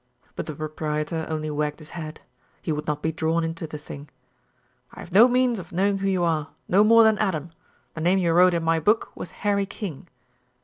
But the proprietor only wagged his head. He would not be drawn into the thing. "I have no means of knowing who you are no more than Adam. The name you wrote in my book was Harry King."